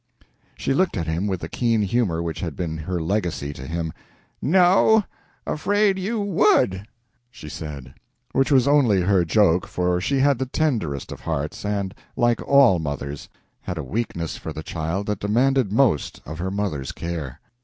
She looked at him with the keen humor which had been her legacy to him. "No, afraid you would," she said. Which was only her joke, for she had the tenderest of hearts, and, like all mothers, had a weakness for the child that demanded most of her mother's care.